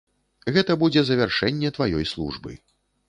Гэта будзе завяршэнне тваёй службы.